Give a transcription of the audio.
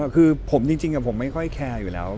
คือผมจริงผมไม่ค่อยแคร์อยู่แล้ว